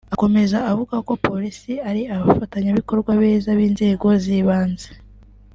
Akomeza avuga ko Polisi ari abafatanyabikorwa beza b’inzego z’ibanze